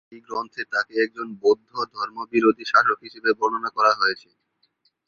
এই গ্রন্থে তাকে একজন বৌদ্ধ ধর্ম বিরোধী শাসক হিসেবে বর্ণনা করা হয়েছে।